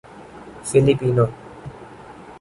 Filipino